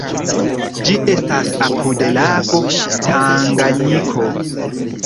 Ĝi estas apud lago Tanganjiko.